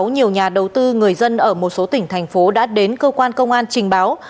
nhiều nhà đầu tư người dân ở một số tỉnh thành phố đã đến cơ quan công an trình báo